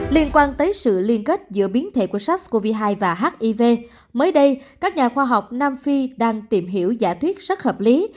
liên quan tới sự liên kết giữa biến thể của sars cov hai và hiv mới đây các nhà khoa học nam phi đang tìm hiểu giả thuyết rất hợp lý